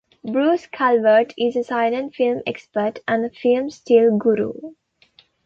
Bruce Calvert is a silent film expert and a film-still guru.